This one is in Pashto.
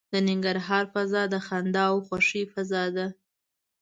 د ننګرهار فضا د خندا او خوښۍ فضا ده.